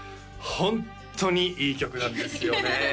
ホントにいい曲なんですよね